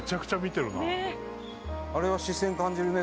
あれは視線感じるね